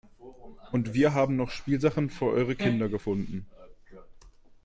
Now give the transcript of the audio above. Und wir haben noch Spielsachen für eure Kinder gefunden.